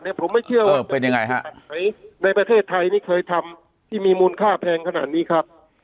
ผมไม่เชื่อว่าเป็นยังไงฮะในประเทศไทยนี่เคยทำที่มีมูลค่าแพงขนาดนี้ครับ